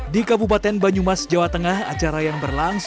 di kabupaten banyumas jawa tengah acara yang berlangsung